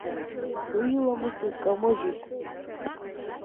Уи иламыс изкамыжьит…